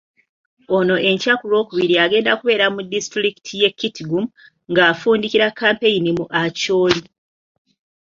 Ono enkya ku Lwokubiri agenda kubeera mu disitulikiti y'e Kitgum ng'afundikira kampeyini mu Acholi.